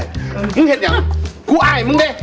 มึงเห็นยังกูอายมึงดิ